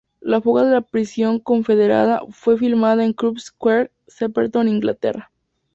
La fuga de la prisión confederada fue filmada en Church Square, Shepperton, Inglaterra.